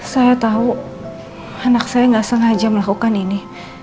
saya tahu anak saya nggak sengaja melakukan ini